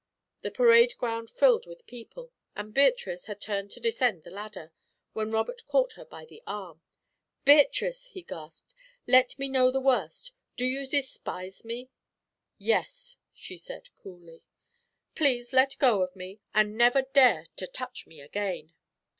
The parade ground filled with people, and Beatrice had turned to descend the ladder, when Robert caught her by the arm. "Beatrice!" he gasped. "Let me know the worst do you despise me?" "Yes," she answered, coolly. "Please let go of me, and never dare to touch me again."